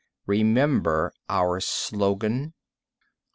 Remember our slogan."